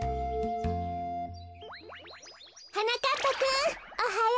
はなかっぱくんおはよう。